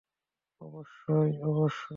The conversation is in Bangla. অবশ্যই, অবশ্যই।